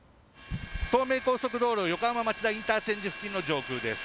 東名高速道路横浜町田インターチェンジ付近の上空です。